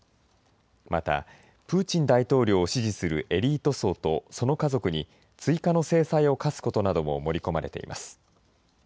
またプーチン大統領を支持するエリート層とその家族に、追加の制裁を科すことなども盛り込まれています。